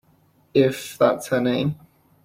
If that's her name.